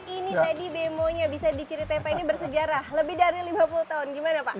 ini tadi bemonya bisa diceritain pak ini bersejarah lebih dari lima puluh tahun gimana pak